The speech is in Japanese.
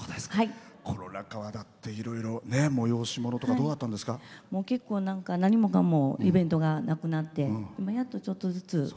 コロナ禍はいろいろ催し物とか結構、何もかもイベントがなくなってやっと、ちょっとずつ。